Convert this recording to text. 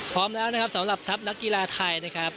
พร้อมแล้วนะครับสำหรับทัพนักกีฬาไทยนะครับ